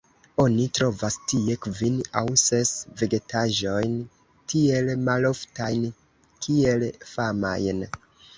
Oni trovas tie kvin aŭ ses vegetaĵojn tiel maloftajn kiel famajn.